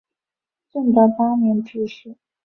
正德八年致仕。